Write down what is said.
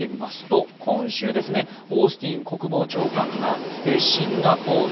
今週、オースティン国防長官がシンガポール